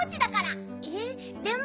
えっでも。